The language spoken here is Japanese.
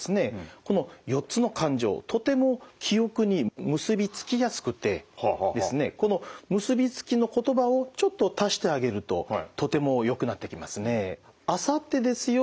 この４つの感情とても記憶に結びつきやすくてこの結びつきの言葉をちょっと足してあげるととてもよくなってきますね。